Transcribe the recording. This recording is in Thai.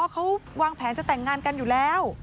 เขาวางแผนจะแต่งงานกันอยู่แล้ว